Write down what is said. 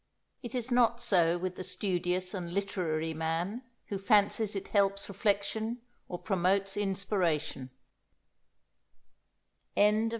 It is not so with the studious and literary man, who fancies it helps reflection or promotes inspiration."